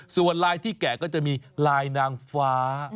ส่วนลายที่แก่ก็จะมีลายนางฟ้า